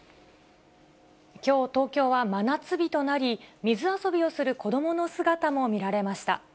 きょう、東京は真夏日となり、水遊びをする子どもの姿も見られました。